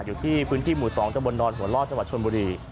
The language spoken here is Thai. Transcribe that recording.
อยู่ที่พื้นที่หมู่๒ตะบนดอนหัวล่อจังหวัดชนบุรี